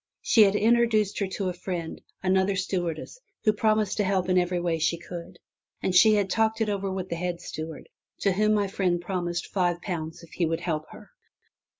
She had introduced her to a friend (another stewardess), who promised to help in every way she could, and she had talked it over with the head steward, to whom my friend promised five pounds if he would help her.